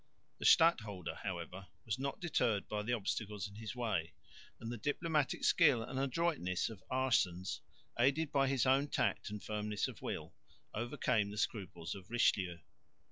The stadholder, however, was not deterred by the obstacles in his way; and the diplomatic skill and adroitness of Aerssens, aided by his own tact and firmness of will, overcame the scruples of Richelieu.